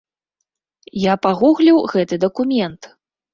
Я пагугліў гэты дакумент.